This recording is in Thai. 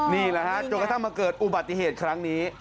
นี่แหละฮะจนกระทั่งมาเกิดอุบัติเหตุครั้งนี้